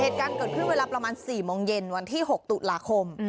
เหตุการณ์เกิดขึ้นเวลาประมาณ๔โมงเย็นวันที่๖ตุลาคม